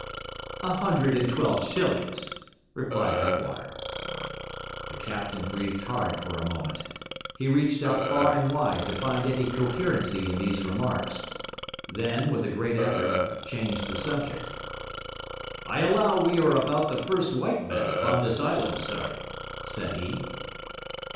'A hundred and twelve shillings,' replied Attwater. The captain breathed hard for a moment. He reached out far and wide to find any coherency in these remarks; then, with a great effort, changed the subject. 'I allow we are about the first white men upon this island, sir,' said he.